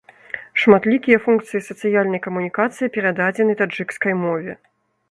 Шматлікія функцыі сацыяльнай камунікацыі перададзены таджыкскай мове.